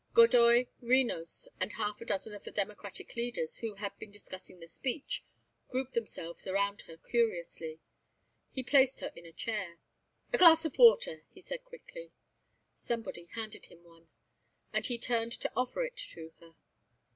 Godoy, Renos, and half a dozen of the Democratic leaders, who had been discussing the speech, grouped themselves around her curiously. He placed her in a chair. "A glass of water," he said quickly. Somebody handed him one, and he turned to offer it to her.